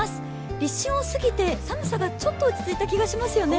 立春をすぎて寒さがちょっと落ち着いた気がしますよね。